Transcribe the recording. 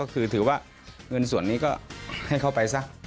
คือถือว่าเงินส่วนนี้ก็ให้เขาไปซะ